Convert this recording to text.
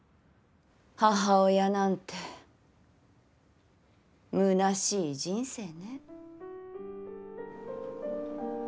母親なんてむなしい人生ね。